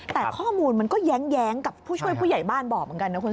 แต่ข้อมูลมันก็แย้งกับผู้ช่วยผู้ใหญ่บ้านบอกเหมือนกันนะคุณ